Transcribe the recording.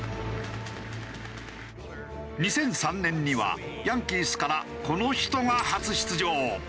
２００３年にはヤンキースからこの人が初出場。